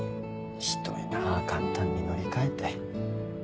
ひどいなあ簡単に乗り換えて。